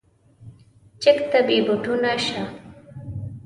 چک ته بې بوټونو شه.